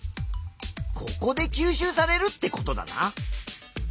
ここで吸収されるってことだな。